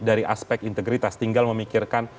dari aspek integritas tinggal memikirkan